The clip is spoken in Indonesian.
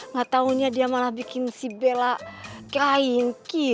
nggak taunya dia malah bikin si bella kain